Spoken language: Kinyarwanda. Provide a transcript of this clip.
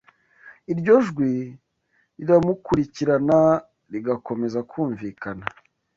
Iryo jwi riramukurikirana rigakomeza kumvikana